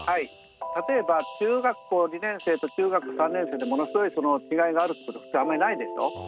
例えば中学校２年生と中学３年生でものすごい違いがあるってこと普通あんまりないでしょう。